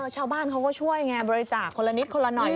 ชาวบ้านเขาก็ช่วยไงบริจาคคนละนิดคนละหน่อย